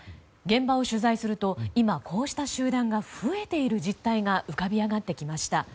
現場を取材すると今、こうした集団が増えている実態が浮かび上がってきました。